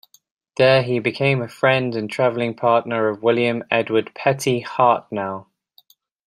There he became a friend and traveling partner of William Edward Petty Hartnell.